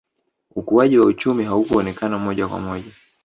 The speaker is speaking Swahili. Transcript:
ukuaji wa uchumi haukuonekana moja kwa moja